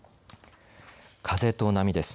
風と波です。